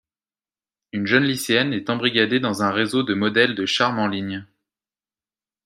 Une jeune lycéenne est embrigadée dans un réseau de modèles de charme en ligne...